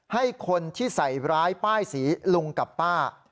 ให้คนที่ใส่ร้ายป้ายสีลุงกับป้า